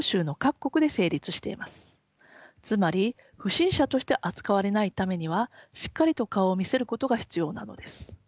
つまり不審者として扱われないためにはしっかりと顔を見せることが必要なのです。